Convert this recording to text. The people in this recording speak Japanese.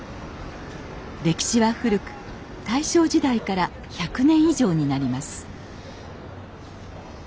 歴史は古く大正時代から１００年以上になります